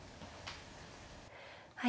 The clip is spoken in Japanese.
はい。